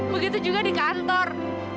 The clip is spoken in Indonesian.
begitu juga di kantor